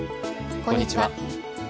こんにちは。